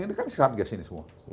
ini kan satgas ini semua